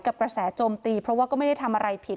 กระแสโจมตีเพราะว่าก็ไม่ได้ทำอะไรผิด